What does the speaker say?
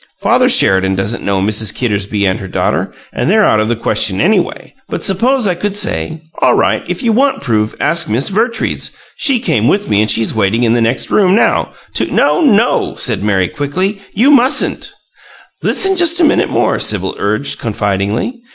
Father Sheridan doesn't know Mrs. Kittersby and her daughter, and they're out of the question, anyway. But suppose I could say: 'All right, if you want proof, ask Miss Vertrees. She came with me, and she's waiting in the next room right now, to " "No, no," said Mary, quickly. "You mustn't " "Listen just a minute more," Sibyl urged, confidingly.